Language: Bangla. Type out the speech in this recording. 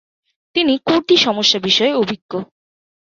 তিনি 'কুর্দি সমস্যা' বিষয়ে অভিজ্ঞ।